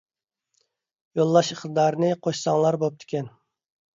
يوللاش ئىقتىدارىنى قوشساڭلار بوپتىكەن.